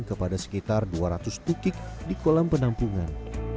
kepada sekitar dua ratus ukik di kolam penampungan